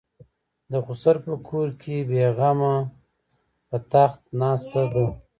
د خسر په کور کې بې غمه په تخت ناسته ده.